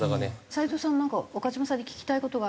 斎藤さんなんか岡島さんに聞きたい事があるって。